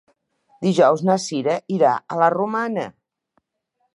Dijous na Cira irà a la Romana.